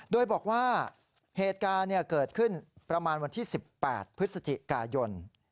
โดยบอกว่าเหตุการณ์เกิดขึ้นประมาณวันที่๑๘พฤศจิกายน